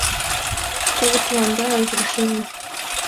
— Теве тыланда разрешений!